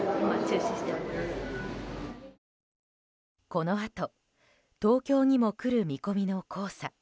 このあと東京にも来る見込みの黄砂。